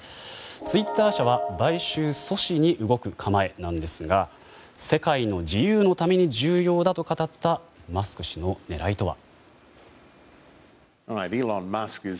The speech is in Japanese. ツイッター社は買収阻止に動く構えなんですが世界の自由のために重要だと語ったマスク氏の狙いとは。